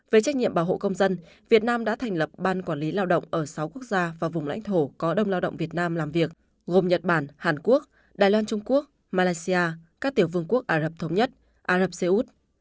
về trách nhiệm bảo hộ công dân việt nam đã thành lập ban quản lý lao động ở sáu quốc gia và vùng lãnh thổ có đông lao động việt nam làm việc gồm nhật bản hàn quốc đài loan trung quốc malaysia các tiểu vương quốc ả rập thống nhất ả rập xê út